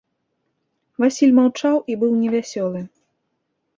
Васіль маўчаў і быў невясёлы.